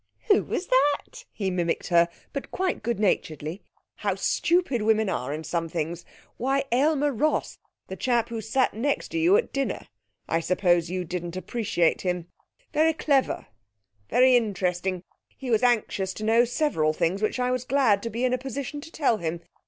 'Who was that?' he mimicked her, but quite good naturedly. 'How stupid women are in some things! Why, Aylmer Ross, the chap who sat next to you at dinner! I suppose you didn't appreciate him. Very clever, very interesting. He was anxious to know several things which I was glad to be in a position to tell him.